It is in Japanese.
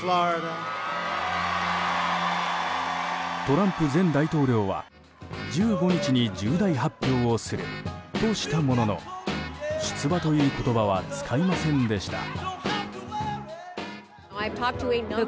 トランプ前大統領は、１５日に重大発表をするとしたものの出馬という言葉は使いませんでした。